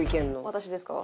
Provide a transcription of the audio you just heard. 私ですか？